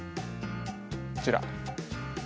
こちら。